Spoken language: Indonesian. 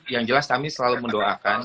yang jelas kami selalu mendoakan